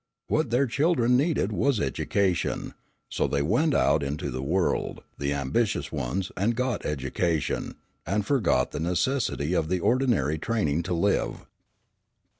What their children needed was education. So they went out into the world, the ambitious ones, and got education, and forgot the necessity of the ordinary training to live.